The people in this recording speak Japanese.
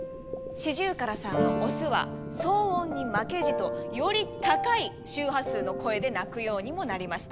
シジュウカラさんのオスは騒音に負けじとより高い周波数の声で鳴くようにもなりました。